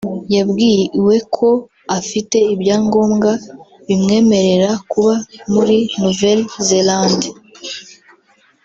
yabwiwe ko afite ibyangombwa bimwemerera kuba muri Nouvelle-Zélande